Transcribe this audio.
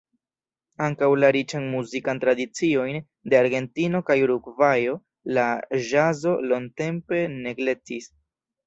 Ankaŭ la riĉan muzikan tradiciojn de Argentino kaj Urugvajo la ĵazo longtempe neglektis.